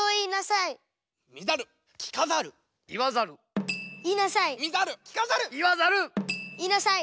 いいなさい！